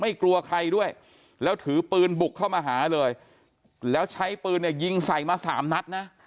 กลัวใครด้วยแล้วถือปืนบุกเข้ามาหาเลยแล้วใช้ปืนเนี่ยยิงใส่มาสามนัดนะ